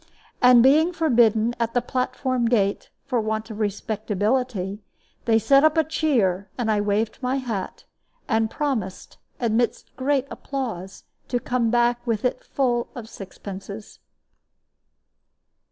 And being forbidden at the platform gate, for want of respectability, they set up a cheer, and I waved my hat, and promised, amidst great applause, to come back with it full of sixpences.